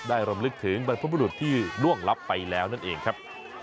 รำลึกถึงบรรพบุรุษที่ล่วงลับไปแล้วนั่นเองครับ